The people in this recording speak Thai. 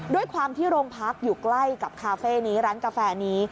ด้วยความที่โรงพักอยู่ใกล้กับคาเฟ่นี้ร้านกาแฟนี้